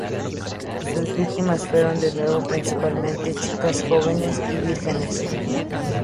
Sus víctimas fueron de nuevo principalmente chicas jóvenes y vírgenes.